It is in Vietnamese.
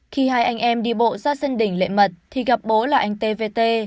khi hai anh em đi bộ ra sân đỉnh lệ mật thì gặp bố là anh tvt